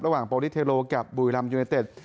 ระหว่างโปรดิสเทโลกับบุยรัมย์ยูเนตเต็ด